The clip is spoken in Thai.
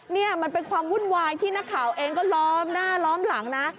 นี่มันเป็นความวุ่นวายที่นักข่าวเองก็ล้อมหน้าล้อมหลังนะ